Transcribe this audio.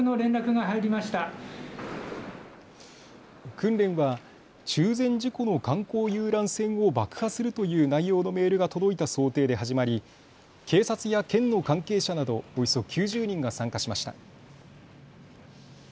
訓練は中禅寺湖の観光遊覧船を爆破するという内容のメールが届いた想定で始まり警察や県の関係者などおよそ９０人が参加しました。